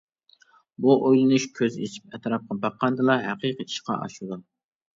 بۇ ئويلىنىش كۆز ئېچىپ ئەتراپقا باققاندىلا ھەقىقىي ئىشقا ئاشىدۇ.